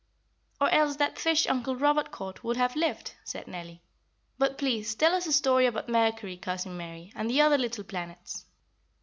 "Or else that fish Uncle Robert caught would have lived," said Nellie. "But please tell us a story about Mercury, Cousin Mary, and the other little planets."